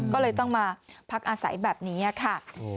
ก็เลยต้องมาพักอาศัยแบบนี้ค่ะ